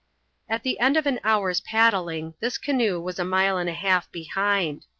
At the end of an hour's paddling this canoe was a mile and a half behind.